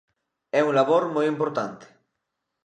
É un labor moi importante.